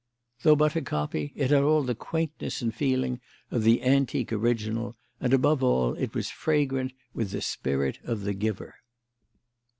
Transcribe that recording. Though but a copy, it had all the quaintness and feeling of the antique original, and, above all, it was fragrant with the spirit of the giver.